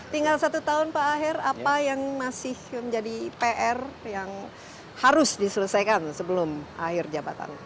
tinggal satu tahun pak aher apa yang masih menjadi pr yang harus diselesaikan sebelum akhir jabatan